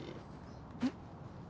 うん？